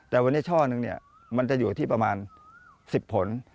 แต่วันนี้ช่อนึงเนี่ยมันจะอยู่ที่ประมาณ๑๐ผล